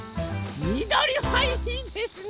みどりはいいですね！